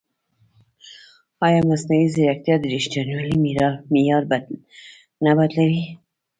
ایا مصنوعي ځیرکتیا د ریښتینولۍ معیار نه بدلوي؟